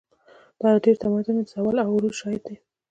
دا د ډېرو تمدنونو د زوال او عروج شاهد دی.